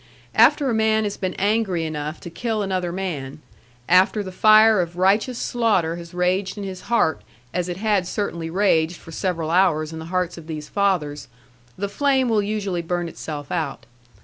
After a man has been angry enough to kill another man, after the fire of righteous slaughter has raged in his heart as it had certainly raged for several hours in the hearts of these fathers, the flame will usually burn itself out.